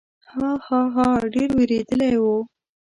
ها، ها، ها، ډېر وېرېدلی و.